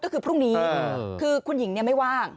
ก็คือพรุ่งนี้คือคุณหญิงไม่ว่าง